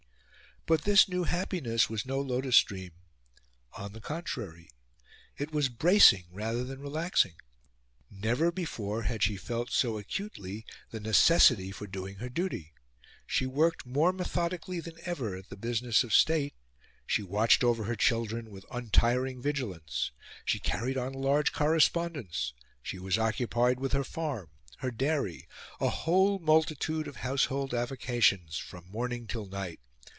But this new happiness was no lotus dream. On the contrary, it was bracing, rather than relaxing. Never before had she felt so acutely the necessity for doing her duty. She worked more methodically than ever at the business of State; she watched over her children with untiring vigilance. She carried on a large correspondence; she was occupied with her farm her dairy a whole multitude of household avocations from morning till night.